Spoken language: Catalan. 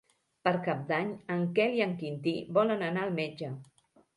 Per Cap d'Any en Quel i en Quintí volen anar al metge.